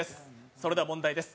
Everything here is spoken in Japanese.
それでは問題です。